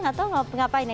gak tau ngapain ya